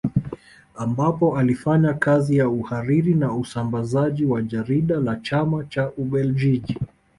Ambapo alifanya kazi ya uhariri na usambazaji wa jarida la Chama cha Ubeljiji